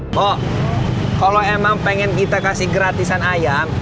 kok kalau emang pengen kita kasih gratisan ayam